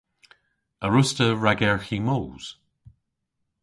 A wruss'ta ragerghi moos?